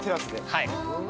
はい。